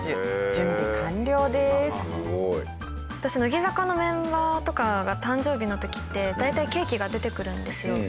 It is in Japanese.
私乃木坂のメンバーとかが誕生日の時って大体ケーキが出てくるんですよ。